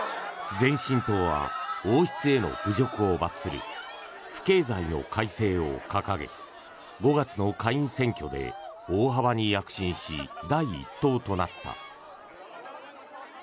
前進党は王室への侮辱を罰する不敬罪の改正を掲げ５月の下院選挙で大幅に躍進し、第１党となった。